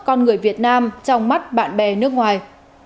con người việt nam trong mắt bạn bè nước ngoài